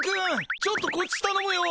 ちょっとこっちたのむよ！